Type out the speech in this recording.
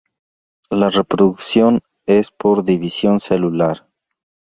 La reproducción es por división celular.